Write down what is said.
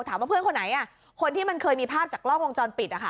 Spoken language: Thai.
ถามว่าเพื่อนคนไหนอ่ะคนที่มันเคยมีภาพจากกล้องวงจรปิดนะคะ